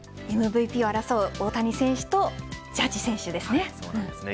ＭＶＰを争う大谷選手とジャッジ選手ですね。